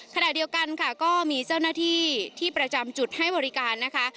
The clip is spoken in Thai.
ขณะเดียวกันค่ะก็มีเจ้าหน้าที่ที่ประจำจุดให้บริการนะคะ